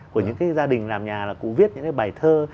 của những cái gia đình làm nhà là cụ viết những cái bài thơ